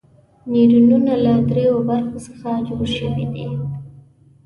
نیورونونه له دریو برخو څخه جوړ شوي دي.